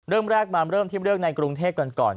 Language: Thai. เริ่มแรกมาเริ่มที่เรื่องในกรุงเทพกันก่อน